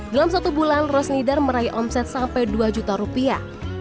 dalam satu bulan rosnidar meraih omset sampai dua juta rupiah